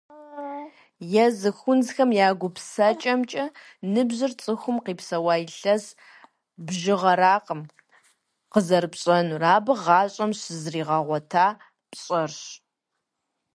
Езы хунзхэм я гупсысэкӏэмкӏэ, ныбжьыр цӏыхум къипсэуа илъэс бжыгъэракъым къызэрыпщӏэнур, абы гъащӏэм щызригъэгъуэта пщӏэрщ.